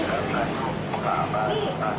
อันนี้มันจะเจ็บไง